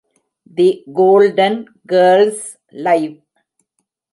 The Golden Girls: live!